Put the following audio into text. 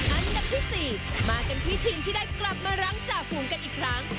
อันดับที่๔มากันที่ทีมที่ได้กลับมารั้งจ่าฝูงกันอีกครั้ง